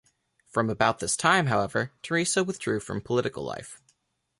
From about this time, however, Thrasea withdrew from political life.